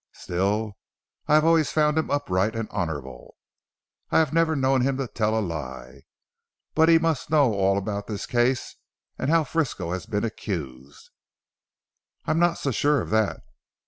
Still I have always found him upright and honourable. I have never known him to tell a lie. But he must know all about this case and how Frisco has been accused." "I'm not so sure of that.